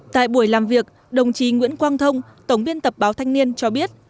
tại buổi làm việc đồng chí nguyễn quang thông tổng biên tập báo thanh niên cho biết